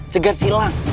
seger si ilang